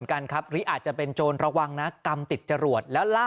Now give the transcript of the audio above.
กันครับหรืออาจจะเป็นโจรระวังนะกรรมติดจรวดแล้วล่า